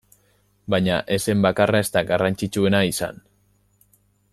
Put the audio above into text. Baina ez zen bakarra ezta garrantzitsuena izan.